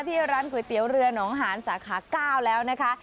ที่ร้านก๋วยเตี๋ยวเรือหนองหานสาขา๙แล้วนะคะ